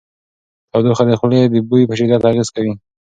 تودوخه د خولې د بوی په شدت اغېز کوي.